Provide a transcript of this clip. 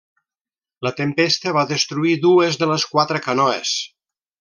La tempesta va destruir dues de les quatre canoes.